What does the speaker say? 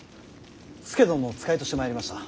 佐殿の使いとして参りました。